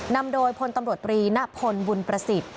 นำโดยพลตำรวจตรีณพลบุญประสิทธิ์